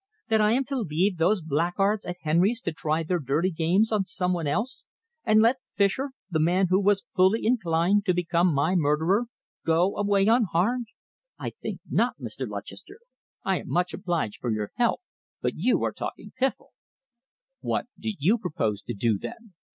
That I am to leave those blackguards at Henry's to try their dirty games on some one else, and let Fischer, the man who was fully inclined to become my murderer, go away unharmed? I think not, Mr. Lutchester. I am much obliged for your help, but you are talking piffle." "What do you propose to do, then?"